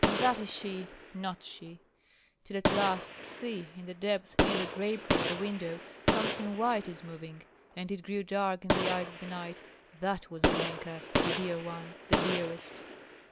That is she, not she! Till at last, see! in the depth, near the drapery of the window, something white is moving, and it grew dark in the eyes of the knight; that was Olenka, the dear one, the dearest.